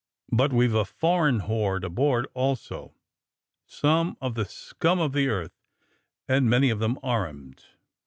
But we've a foreign horde aboard, also — some of the scum of the world, and many of them armed.